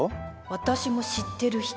私も知ってる人？